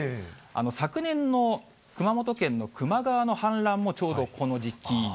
昨年の熊本県の球磨川の反乱もちょうどこの時期。